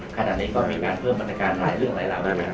ขณะนี้ก็มีการเพิ่มโมนจากราคาหลายเรื่องภายในสมัคร